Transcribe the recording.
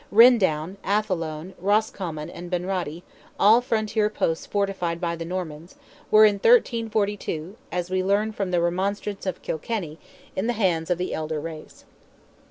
Rindown, Athlone, Roscommon, and Bunratty, all frontier posts fortified by the Normans, were in 1342, as we learn from the Remonstrance of Kilkenny, in the hands of the elder race.